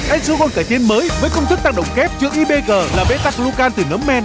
ensocon cải tiến mới với công thức tăng động kép chữa ibg là bê tắc lũ can từ nấm men